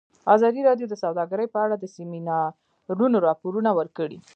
ازادي راډیو د سوداګري په اړه د سیمینارونو راپورونه ورکړي.